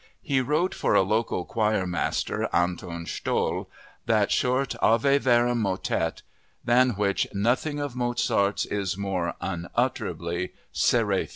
he wrote for a local choirmaster, Anton Stoll, that short Ave Verum motet, than which nothing of Mozart's is more unutterably seraphic.